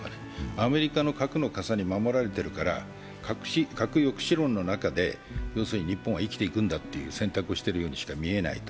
アメリカの核の傘に守られているから核抑止論の中で、要するに日本は生きていくんだと選択しているようにしか見えない。